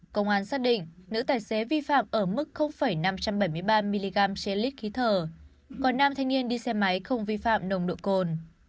công an xác định nữ tài xế vi phạm ở mức năm trăm bảy mươi ba mg trên lít khí thở còn nam thanh niên đi xe máy không vi phạm nồng độ cồn